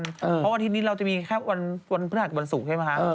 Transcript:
เพราะอาทิตย์นี้เราจะมีแค่วันพฤหัสวันศุกร์ใช่ไหมคะ